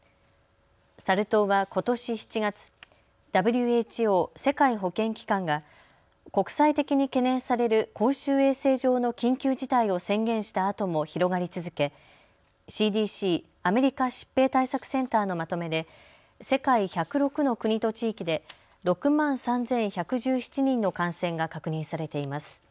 サル痘はことし７月、ＷＨＯ・世界保健機関が国際的に懸念される公衆衛生上の緊急事態を宣言したあとも広がり続け、ＣＤＣ・アメリカ疾病対策センターのまとめで世界１０６の国と地域で６万３１１７人の感染が確認されています。